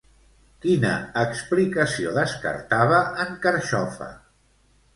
Quina explicació descartava en Carxofa?